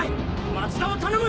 松田を頼む！